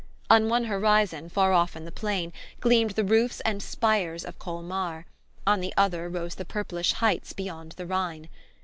On one horizon, far off in the plain, gleamed the roofs and spires of Colmar, on the other rose the purplish heights beyond the Rhine.